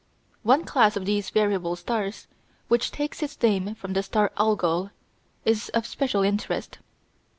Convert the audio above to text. One class of these variable stars, which takes its name from the star Algol, is of special interest.